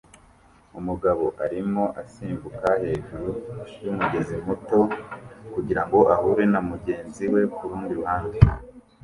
Umugabo arimo asimbuka hejuru yumugezi muto kugirango ahure na mugenzi we kurundi ruhande